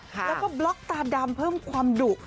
แล้วก็บล็อกตาดำเพิ่มความดุ